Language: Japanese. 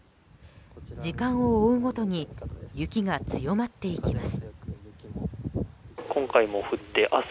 時間を追うごとに雪が強まっていきます。